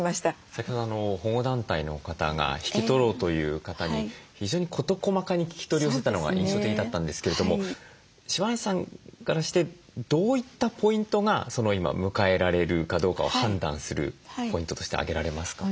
先ほど保護団体の方が引き取ろうという方に非常に事細かに聞き取りをしてたのが印象的だったんですけれども柴内さんからしてどういったポイントが今迎えられるかどうかを判断するポイントとして挙げられますか？